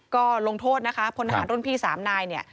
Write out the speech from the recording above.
ก็ลงโทษนะคะพลทหารรุ่นพี่๓นายเนี่ย